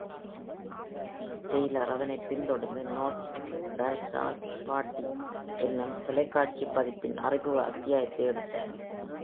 Taylor அதனைப் பின்தொடர்ந்து, ‘North Dallas Forty’ என்னும் தொலைக்காட்சி பதிப்பின் அறிமுக அத்தியாயத்தை எடுத்தார்.